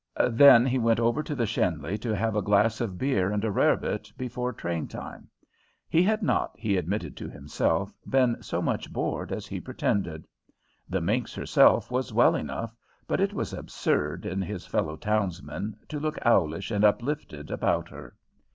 Then he went over to the Schenley to have a glass of beer and a rarebit before train time. He had not, he admitted to himself, been so much bored as he pretended. The minx herself was well enough, but it was absurd in his fellow townsmen to look owlish and uplifted about her.